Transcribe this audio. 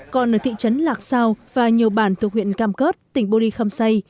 còn ở thị trấn lạc sao và nhiều bản thuộc huyện cam cớt tỉnh bô đi khâm say